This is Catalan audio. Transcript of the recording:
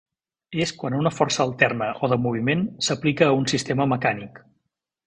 És quan una força alterna o de moviment s'aplica a un sistema mecànic.